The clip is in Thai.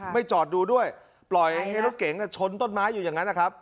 จอดดูด้วยปล่อยให้รถเก๋งชนต้นไม้อยู่อย่างนั้นนะครับ